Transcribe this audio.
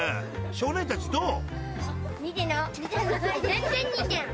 少年たちどう？］